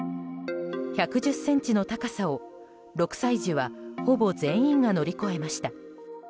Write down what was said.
１１０ｃｍの高さを６歳児はほぼ全員が乗り越えました。